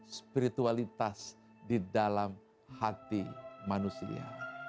spiritualitas di dalam hati manusia